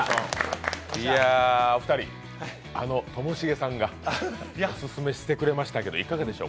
あのともしげさんがオススメしてくれましたけどいかがでした？